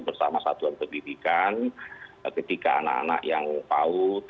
bersama satuan pendidikan ketika anak anak yang paut